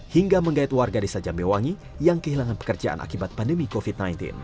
hingga menggait warga desa jambewangi yang kehilangan pekerjaan akibat pandemi covid sembilan belas